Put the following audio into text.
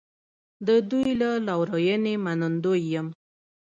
د دوی له لورینې منندوی یم.